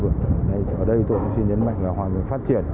thì ở đây tôi cũng xin nhấn mạnh là hòa bình phát triển